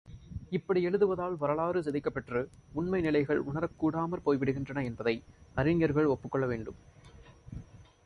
இப்படி எழுதுவதால் வரலாறு சிதைக்கப் பெற்று, உண்மை நிலைகள் உணரக் கூடாமற் போய்விடுகின்றன என்பதை அறிஞர்கள் ஒப்புக்கொள்ள வேண்டும்.